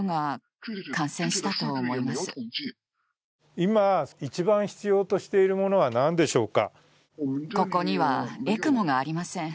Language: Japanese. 今、一番必要としているものは何でしょうか？